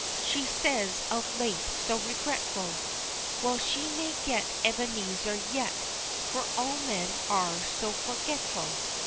She says of late, so regretful, Well, she may get Ebenezer yet For all men are so forgetful.